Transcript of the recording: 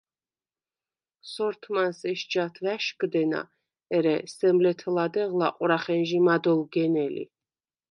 სორთმანს ეჯჟ’ ათვა̈შგდენა, ერე სემ ლეთ-ლადეღ ლაყვრახენჟი მად ოლგენელი.